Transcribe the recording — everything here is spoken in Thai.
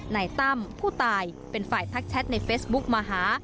ตั้มผู้ตายเป็นฝ่ายทักแชทในเฟซบุ๊กมาหา